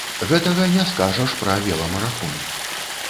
Гэтага не скажаш пра веламарафон.